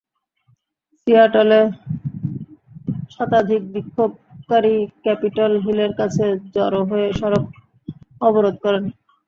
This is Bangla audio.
সিয়াটলে শতাধিক বিক্ষোভকারী ক্যাপিটল হিলের কাছে জড়ো হয়ে সড়ক অবরোধ করেন।